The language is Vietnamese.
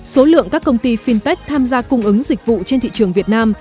số lượng các công ty fintech tham gia cung ứng dịch vụ trên thị trường việt nam